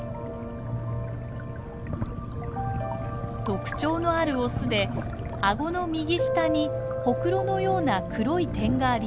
特徴のあるオスで顎の右下にホクロのような黒い点があります。